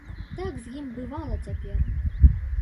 Так з ім бывала цяпер.